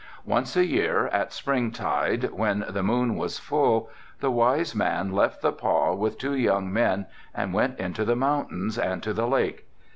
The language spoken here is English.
Once a year, at spring tide, when the moon was full, the wise man left the pah with two young men and went into the mountains and to the lake.